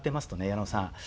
矢野さん